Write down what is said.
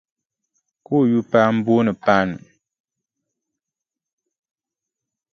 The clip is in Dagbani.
Ka o yupaa m-booni Paanu.